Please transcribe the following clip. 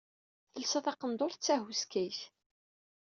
Telsa taqendurt d tahuskayt.